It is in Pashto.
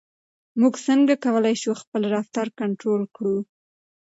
موږ څنګه کولای شو خپل رفتار کنټرول کړو؟